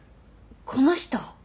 この人？